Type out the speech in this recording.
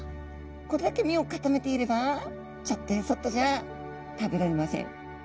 これだけ身を固めていればちょっとやそっとじゃ食べられません。